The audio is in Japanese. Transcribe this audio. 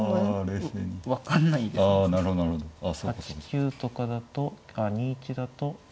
８九とかだとああ２一だと。